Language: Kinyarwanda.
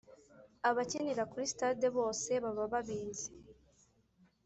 Abakinira kuri stade bose baba babizi